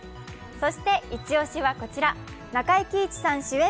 そしてイチ押しはこちら、中井貴一さん主演